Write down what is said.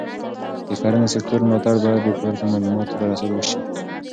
د کرنې سکتور ملاتړ باید د پورته معلوماتو پر اساس وشي.